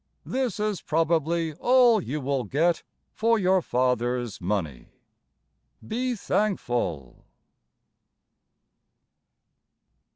This is probably All you will get For your father's money. Be thankful.